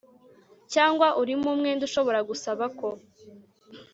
cyangwa urimo umwenda ashobora gusaba ko